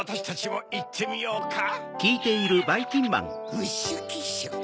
ムッシュ・キッシュか。